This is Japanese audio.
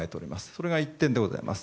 それが１点目でございます。